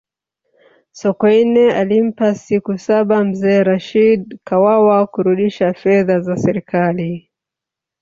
sokoine alimpa siku saba mzee rashidi kawawa kurudisha fedha za serikali